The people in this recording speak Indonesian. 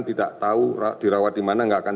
tidak tahu dirawat di mana nggak akan